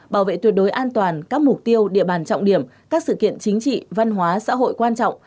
bảo vệ tuyệt đối an toàn các mục tiêu địa bàn trọng điểm các sự kiện chính trị văn hóa xã hội quan trọng